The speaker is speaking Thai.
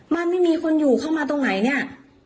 มันไม่มีคนอยู่เข้ามาตรงไหนเนี่ย